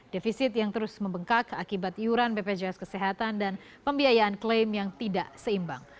defisit yang terus membengkak akibat iuran bpjs kesehatan dan pembiayaan klaim yang tidak seimbang